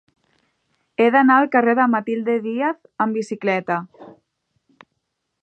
He d'anar al carrer de Matilde Díez amb bicicleta.